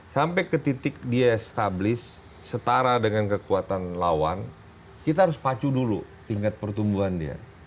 sampai ke titik dia established setara dengan kekuatan lawan kita harus pacu dulu tingkat pertumbuhan dia